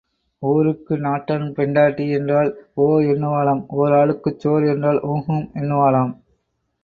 ஊருக்கு நாட்டான் பெண்டாட்டி என்றால் ஓ என்னுவாளாம் ஓர் ஆளுக்குச் சோறு என்றால் ஹூம் என்னுவாளாம்.